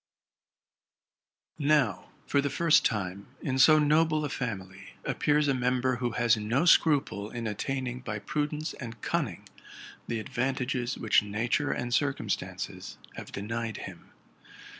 Now, for the first time, in so noble a family appears a member who has no seruple in attaining by prudence and cunning the advantages which nature and circumstances have denied him.